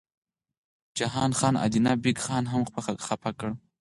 جهان خان ادینه بېګ خان هم خپه کړ.